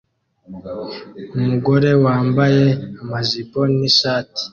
Umugore wambaye amajipo nishati